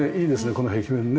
この壁面ね。